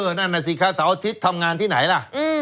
นั่นน่ะสิครับเสาร์อาทิตย์ทำงานที่ไหนล่ะ